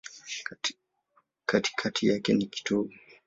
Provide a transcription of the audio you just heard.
Katikati yake ni kitovu.